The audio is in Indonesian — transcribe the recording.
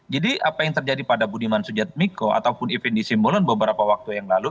jadi apa yang terjadi pada budiman sujatmiko ataupun fnd sibolon beberapa waktu yang lalu